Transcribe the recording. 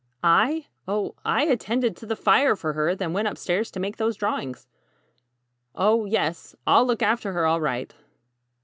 "I? Oh, I attended to the fire for her, then went upstairs to make those drawings." "Oh, yes; I'll look after her, all right."